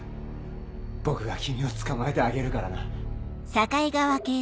僕が君を捕まえてあげるからな。